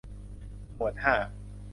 หมวดห้า